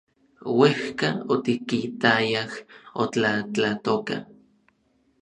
Uejka otikitayaj otlatlatoka.